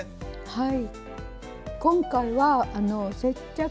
はい。